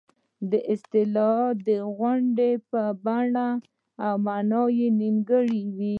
اصطلاح د غونډ په بڼه وي او مانا یې نیمګړې وي